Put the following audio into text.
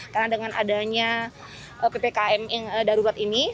karena dengan adanya ppkm yang darurat ini